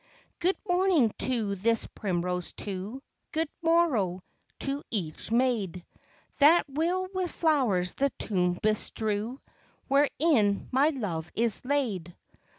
Good morning to this primrose too; Good morrow to each maid; That will with flowers the tomb bestrew Wherein my Love is laid.